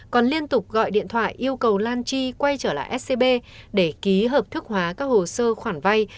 còn liên tục gọi điện thoại yêu cầu lan chi quay trở lại scb để ký hợp thức hóa các hồ sơ khoản vay